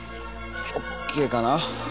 ＯＫかな？